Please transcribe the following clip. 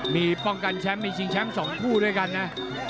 มีป้องกันแชมป์มีชิงแชมป์๒คู่ด้วยกันนะ